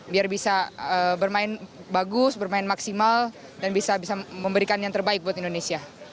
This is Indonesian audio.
biar bisa bermain bagus bermain maksimal dan bisa memberikan yang terbaik buat indonesia